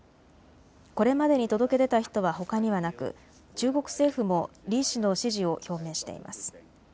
これまでに届け出た人はほかにはなく、中国政府も李氏の支持を表明しています。